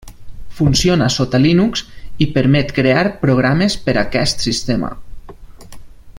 Funciona sota Linux i permet crear programes per aquest sistema.